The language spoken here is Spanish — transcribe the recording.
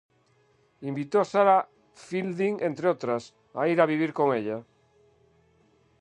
Invitó a Sarah Fielding, entre otras, a ir a vivir con ella.